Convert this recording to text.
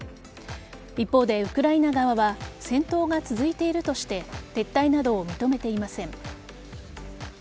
一方で、ウクライナ側は戦闘が続いているとして撤退などを認めていません。